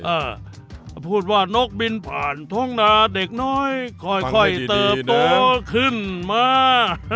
พูดว่านกบินผ่านท้องนาเด็กน้อยค่อยค่อยเติบโตขึ้นมา